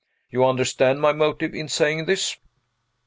You understand my motive in saying this?"